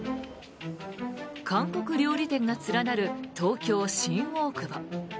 韓国料理店が連なる東京・新大久保。